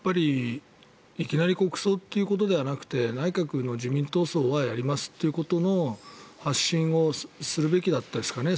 いきなり国葬ということではなくて内閣の自民党葬はやりますということの発信をするべきだったんですかね